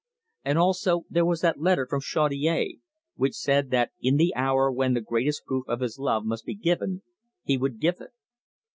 And also, there was that letter from Chaudiere, which said that in the hour when the greatest proof of his love must be given he would give it.